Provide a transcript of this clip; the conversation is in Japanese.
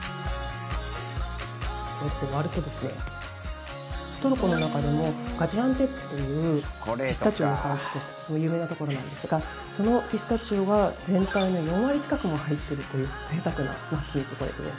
こうやって割るとトルコの中でもガジアンテップというピスタチオの産地としてとても有名なところなんですがそのピスタチオが全体の４割近くも入っているというぜいたくなナッツのチョコレートです。